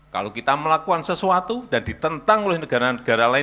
kalau kita melakukan sesuatu dan ditentang oleh negara negara lain